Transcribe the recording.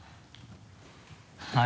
はい。